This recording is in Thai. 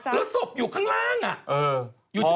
แล้วศพอยู่ข้างล่าง